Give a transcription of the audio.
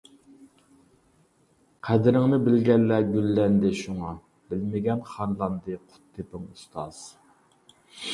قەدرىڭنى بىلگەنلەر گۈللەندى شۇڭا، بىلمىگەن خارلاندى قۇت تېپىڭ ئۇستاز.